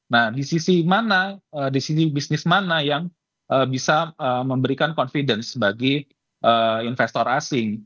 nah di sisi mana di sini bisnis mana yang bisa memberikan confidence bagi investor asing